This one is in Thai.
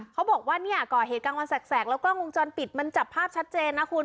เขาบอกว่าเนี่ยก่อเหตุกลางวันแสกแล้วกล้องวงจรปิดมันจับภาพชัดเจนนะคุณ